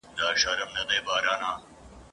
هره ورځ یې له دباغ سره دعوه وه !.